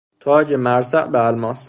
تاج مرصع به الماس